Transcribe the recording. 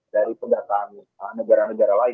dari pendataan negara negara lain